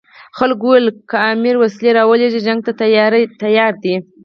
خلکو ویل که امیر وسلې ورولېږي جنګ ته تیار دي.